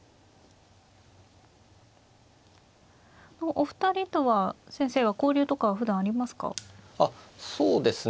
お二人とは先生は交流とかはふだんありますか？